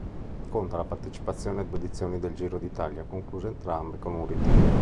Conta la partecipazione a due edizioni del Giro d'Italia, concluse entrambe con un ritiro.